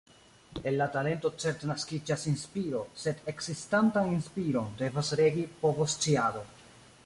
El la talento certe naskiĝas inspiro, sed ekzistantan inspiron devas regi povosciado.